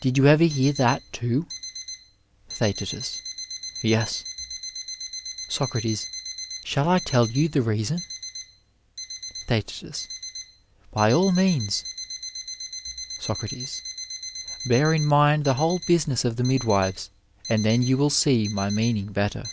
Did you ever hear that too! Theast. Tes. 8oc. Shall I tell you the reason ? Theast. By all means. Soc. Bear in mind the whole business of the midwives, and then you wiU see my meaning better.